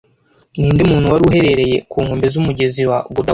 Ninde muntu wari uherereye ku nkombe z'umugezi wa Godawari